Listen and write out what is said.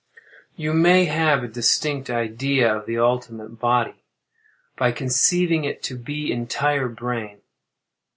You will have a distinct idea of the ultimate body by conceiving it to be entire brain.